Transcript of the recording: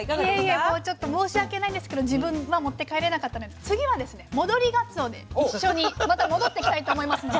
いえいえもうちょっと申し訳ないんですけど自分は持って帰れなかったので次はですね戻りがつおで一緒にまた戻ってきたいと思いますので。